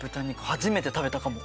初めて食べたかも。